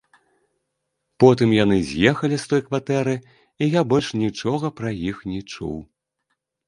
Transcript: Потым яны з'ехалі з той кватэры, і я больш нічога пра іх не чуў.